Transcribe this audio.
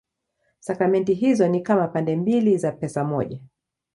Sakramenti hizo ni kama pande mbili za pesa moja.